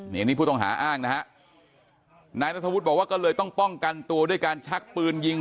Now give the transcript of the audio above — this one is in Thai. นี่พูดต้องหาอ้างนะครับ